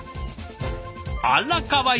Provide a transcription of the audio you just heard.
あらかわいい！